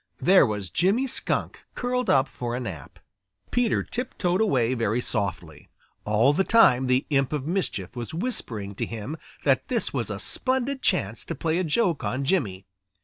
There was Jimmy Skunk curled up for a nap. Peter tiptoed away very softly. All the time the Imp of Mischief was whispering to him that this was a splendid chance to play a joke on Jimmy.